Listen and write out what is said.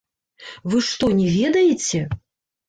Вы што, не ведаеце?!